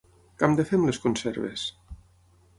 Què hem de fer amb les conserves?